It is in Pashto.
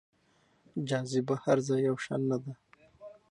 جاذبه هر ځای يو شان نه ده.